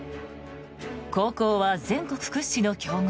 高校は全国屈指の強豪